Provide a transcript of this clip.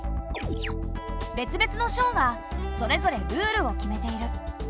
別々の省がそれぞれルールを決めている。